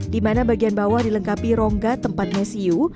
dimana bagian bawah dilengkapi rongga tempat mesiu